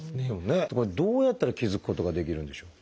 これどうやったら気付くことができるんでしょう？